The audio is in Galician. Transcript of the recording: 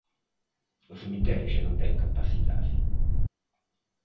O cemiterio xa non ten capacidade.